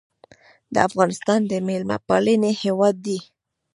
افغانستان د میلمه پالنې هیواد دی